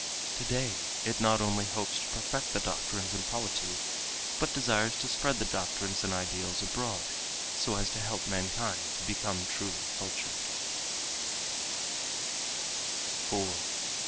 Today it not only hopes to perfect the doctrines and polity, but desires to spread the doctrines and ideals abroad so as to help mankind to become truly cultured."